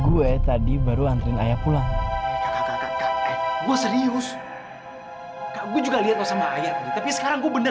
gue tadi baru anterin ayah pulang gue serius juga lihat sama ayah tapi sekarang gue bener